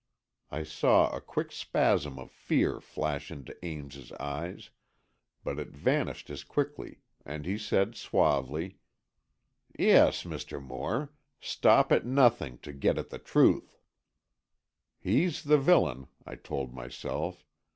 I saw a quick spasm of fear flash into Ames's eyes, but it vanished as quickly, and he said, suavely: "Yes, Mr. Moore. Stop at nothing to get at the truth." He's the villain, I told myself.